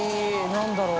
何だろう？